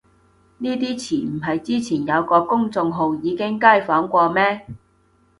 呢啲詞唔係之前有個公眾號已經街訪過咩